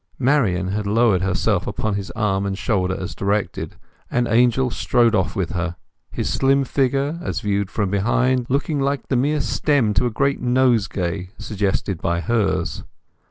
Marian had lowered herself upon his arm and shoulder as directed, and Angel strode off with her, his slim figure, as viewed from behind, looking like the mere stem to the great nosegay suggested by hers.